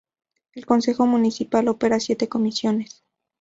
El consejo municipal opera siete comisiones.